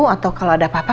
atau kalau ada papa